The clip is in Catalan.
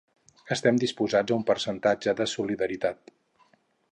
Estem disposats a un percentatge de solidaritat.